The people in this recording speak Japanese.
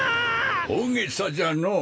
大げさじゃのう。